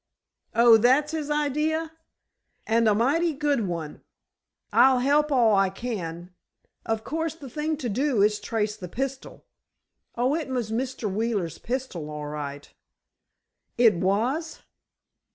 "Oh, that's his idea? And a mighty good one. I'll help all I can. Of course, the thing to do is to trace the pistol." "Oh, it was Mr. Wheeler's pistol, all right." "It was!"